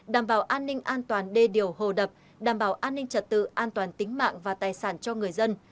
đảm bảo an ninh an toàn đê điều hồ đập đảm bảo an ninh trật tự an toàn tính mạng và tài sản cho người dân